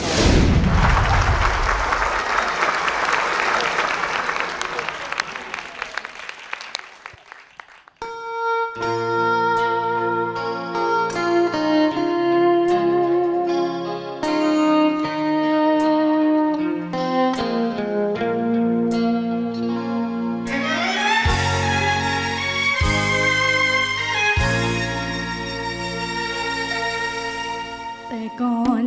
แต่ก่อน